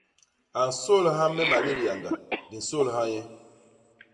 A nsôlha me malét yañga; di nsôlha nye.